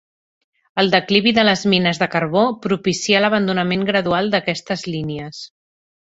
El declivi de les mines de carbó propicià l'abandonament gradual d"aquestes línies.